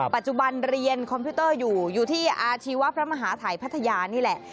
ปัจจุบันเรียนคอมพิวเตอร์อยู่อยู่ที่อาชีวะพระมหาฐัยพัทยานี่แหละ